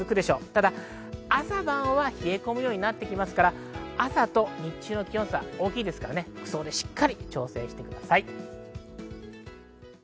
ただ朝晩は冷え込むようになってきますから朝と日中の気温差大きいですから服装で調整してください。